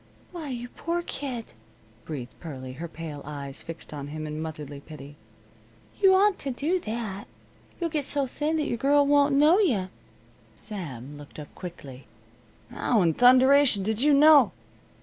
"Why, you poor kid," breathed Pearlie, her pale eyes fixed on him in motherly pity. "You oughtn't to do that. You'll get so thin your girl won't know you." Sam looked up quickly. "How in thunderation did you know